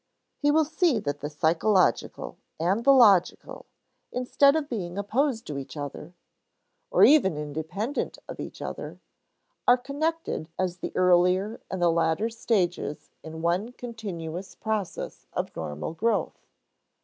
He will see that the psychological and the logical, instead of being opposed to each other (or even independent of each other), are connected as the earlier and the later stages in one continuous process of normal growth.